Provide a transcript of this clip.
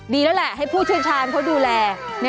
ดีแล้วแหละให้ผู้เชี่ยวชาญเขาดูแล